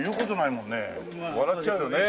笑っちゃうよねえ？